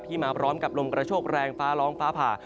มาพร้อมกับลมกระโชคแรงฟ้าร้องฟ้าผ่า